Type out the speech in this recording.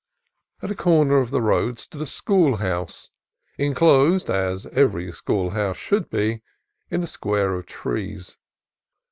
At a corner of the road stood a school house, enclosed, as every school house should be, in a square of trees.